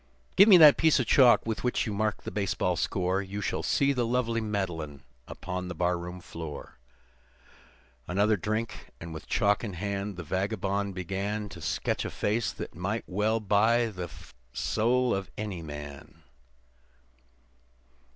Give me that piece of chalk with which you mark the baseball score You shall see the lovely Madeline upon the barroon floor." Another drink, and with chalk in hand, the vagabond began To sketch a face that well might buy the soul of any man.